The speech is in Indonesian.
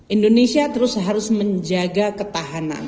indonesia terus harus menjaga ketahanan